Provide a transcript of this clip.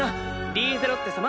リーゼロッテ様